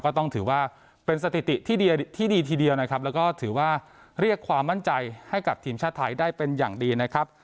ก็ต้องถือว่าเป็นสถิติที่ดีที่ดีทีเดียวนะครับแล้วก็ถือว่าเรียกความมั่นใจให้กับทีมชาติไทยได้เป็นอย่างดีนะครับ